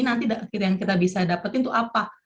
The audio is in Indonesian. nanti yang kita bisa dapetin itu apa